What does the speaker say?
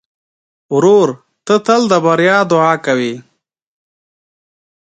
ورور ته تل د بریا دعا کوې.